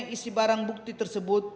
isi barang bukti tersebut